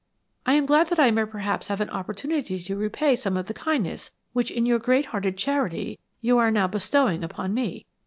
I am glad that I may perhaps have an opportunity to repay some of the kindness which in your great hearted charity, you are now bestowing upon me.